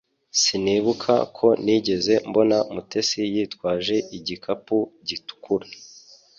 Sinibuka ko nigeze mbona Mutesi yitwaje igikapu gitukura